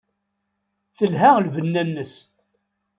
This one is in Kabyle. Telha lbenna-nnes.